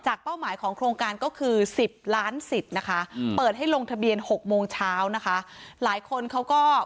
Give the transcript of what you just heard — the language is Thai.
จากเป้าหมายของโครงการก็คือสิบล้านสิบนะคะเปิดให้ลงทะเบียนหกโมงเช้านะคะ